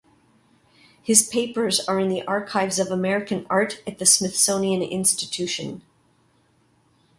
His papers are in the Archives of American Art at the Smithsonian Institution.